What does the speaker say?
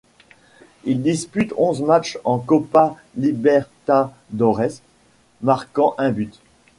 Il dispute onze matchs en Copa Libertadores, marquant un but.